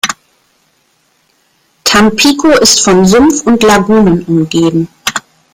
Tampico ist von Sumpf und Lagunen umgeben.